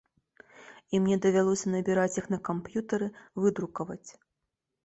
І мне давялося набіраць іх на камп'ютары, выдрукаваць.